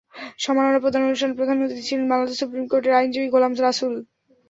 সম্মাননা প্রদান অনুষ্ঠানে প্রধান অতিথি ছিলেন বাংলাদেশ সুপ্রিম কোর্টের আইনজীবী গোলাম রছুল।